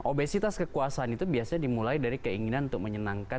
obesitas kekuasaan itu biasanya dimulai dari keinginan terhadap orang lain